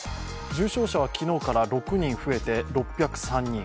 重症者は昨日から６人増えて６０３人。